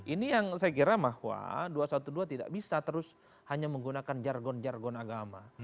ini yang saya kira bahwa dua ratus dua belas tidak bisa terus hanya menggunakan jargon jargon agama